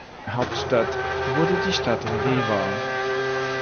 Hauptstadt wurde die Stadt Rewa.